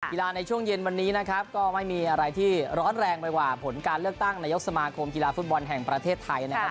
กีฬาในช่วงเย็นวันนี้นะครับก็ไม่มีอะไรที่ร้อนแรงไปกว่าผลการเลือกตั้งนายกสมาคมกีฬาฟุตบอลแห่งประเทศไทยนะครับ